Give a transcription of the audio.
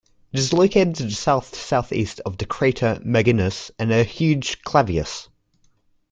It is located to the south-southeast of the crater Maginus, and the huge Clavius.